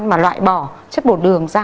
mà loại bỏ chất bột đường ra